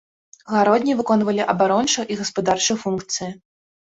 Гародні выконвалі абарончую і гаспадарчыя функцыі.